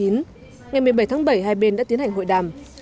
ngày một mươi bảy tháng bảy hai bên đã tiến hành hội đàm